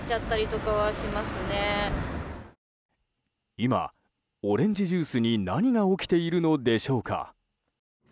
今、オレンジジュースに何が起きているのでしょうか。